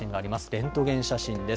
レントゲン写真です。